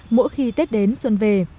mỗi khi tết đến xuân về